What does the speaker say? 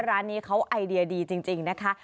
ร้านนี้เขาไอเดียดีจริงนะคะ